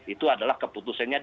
itu adalah keputusannya